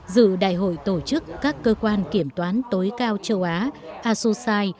dự đại hội tổ chức các cơ quan kiểm toán tối cao châu á asosai